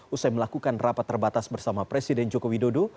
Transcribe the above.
usai melakukan rapat terbatas bersama presiden joko widodo